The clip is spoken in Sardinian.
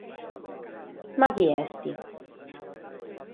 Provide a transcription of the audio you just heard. Ma chie est?